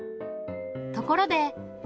ところで。